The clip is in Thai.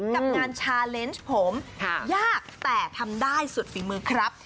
กับงานชาเลนส์ผมยากแต่ทำได้สุดฝีมือครับ